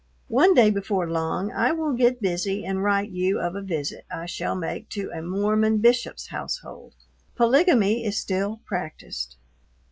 One day before long I will get busy and write you of a visit I shall make to a Mormon bishop's household. Polygamy is still practiced.